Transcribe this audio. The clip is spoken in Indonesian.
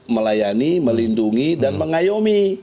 melayani melindungi dan mengayomi